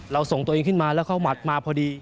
ส่งตัวเองขึ้นมาแล้วเขาหมัดมาพอดี